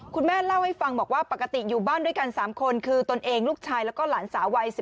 คุณแม่เล่าให้ฟังบอกว่าปกติอยู่บ้านด้วยกัน๓คนคือตนเองลูกชายแล้วก็หลานสาววัย๑๑